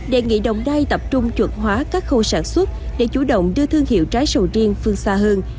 đề nghị đồng nai tập trung chuẩn hóa các khâu sản xuất để chủ động đưa thương hiệu trái sầu riêng phương xa hơn